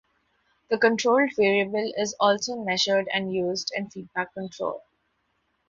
The controlled variable is also measured and used in feedback control.